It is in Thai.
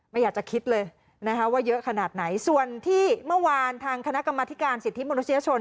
ไม่อยากจะคิดเลยนะคะว่าเยอะขนาดไหนส่วนที่เมื่อวานทางคณะกรรมธิการสิทธิมนุษยชน